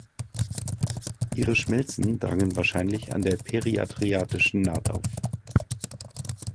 Ihre Schmelzen drangen wahrscheinlich an der Periadriatischen Naht auf.